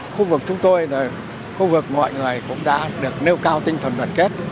khu vực chúng tôi khu vực mọi người cũng đã được nêu cao tinh thần đoàn kết